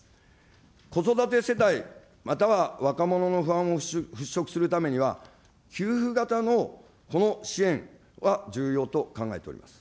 子育て世帯、または若者の不安を払しょくするためには、給付型のこの支援は重要と考えております。